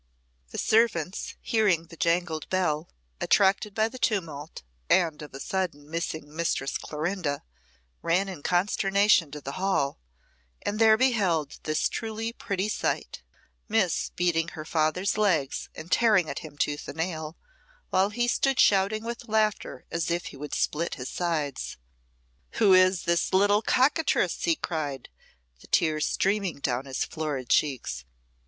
The servants, hearing the jangled bell, attracted by the tumult, and of a sudden missing Mistress Clorinda, ran in consternation to the hall, and there beheld this truly pretty sight Miss beating her father's legs, and tearing at him tooth and nail, while he stood shouting with laughter as if he would split his sides. "Who is the little cockatrice?" he cried, the tears streaming down his florid cheeks.